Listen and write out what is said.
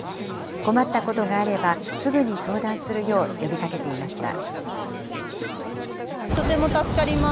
困ったことがあれば、すぐに相談するよう呼びかけていました。